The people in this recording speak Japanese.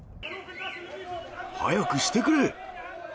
早くしてくれ。